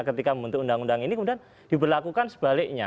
ketika membentuk undang undang ini kemudian diberlakukan sebaliknya